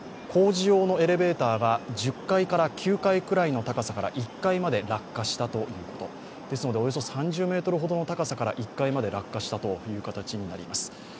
工事用のエレベーターが１０階から１階まで落下したということですのでおよそ３０ｍほどの高さから１階まで落下したという形になります。